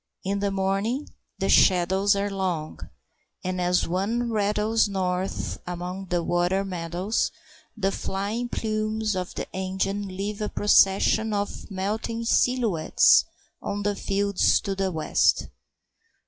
In the morning the shadows are long, and, as one rattles north among the water meadows, the flying plumes of the engine leave a procession of melting silhouettes on the fields to the west.